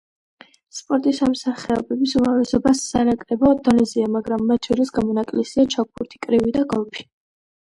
სპორტის ამ სახეობების უმრავლესობა, სანაკრებო დონეზეა, მაგრამ მათ შორის გამონაკლისია ჩოგბურთი, კრივი და გოლფი.